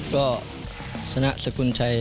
ก็ชนะสกุลชัย